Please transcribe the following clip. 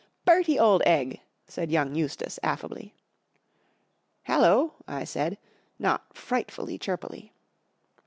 *' Bertie, old egg !" said young Eustace, affably. " Hallo !'' I said, not frightfully chirpily.